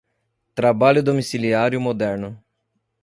trabalho domiciliário moderno